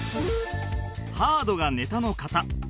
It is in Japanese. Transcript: ハードがネタの型